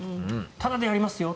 タダでやりますよ。